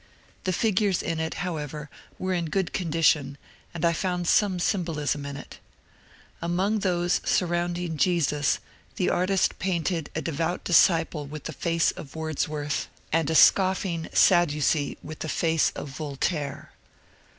The fig ures in it, however, were in good condition, and I found some symbolism in it. Among those surrounding Jesus the artist painted a devout disciple with the face of Wordsworth, and a CINCINNATI JOURNALISTS 293 scoffing Saddacee with the face of Voltaire.